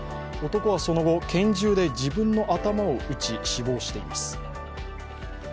男はその後、拳銃で自分の頭を撃ち死亡しています。